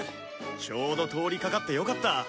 ちょうど通りかかってよかった。